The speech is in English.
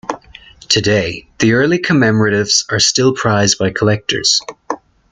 Today the early commemoratives are still prized by collectors.